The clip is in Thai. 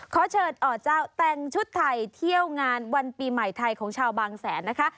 ขอเชิญอ่อเจ้าแต่งชุดไทยเที่ยวงานวันปีใหม่ไทยของชาวบางแสนนะคะ